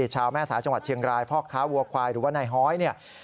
ชาวแม่สายจังหวัดเชียงรายพ่อค้าวัวควายหรือว่านายฮ้อยเนี่ย